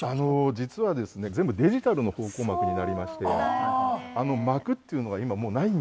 実はですね全部デジタルの方向幕になりましてあの幕っていうのが今もうないんですよ。